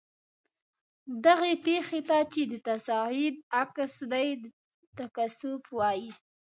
دغې پیښې ته چې د تصعید عکس دی تکاثف وايي.